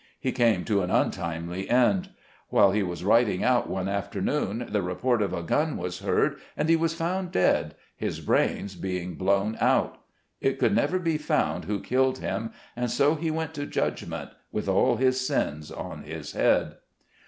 He came to an untimely end. While he was riding out one afternoon, the report of a gun was heard, and he was" found dead — his brains being blown out. It could never be found who killed him, and so he went to judgment, with all his sins on his head.